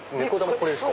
これですか？